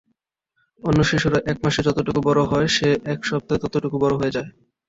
অন্য শিশুরা এক মাসে যতটুকু বড় হয় সে এক সপ্তাহে ততটুকু বড় হয়ে যায়।